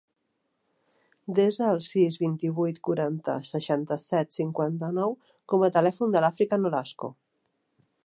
Desa el sis, vint-i-vuit, quaranta, seixanta-set, cinquanta-nou com a telèfon de l'Àfrica Nolasco.